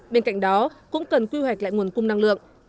bên cạnh đó cũng cần quy hoạch lại nguồn cung năng lượng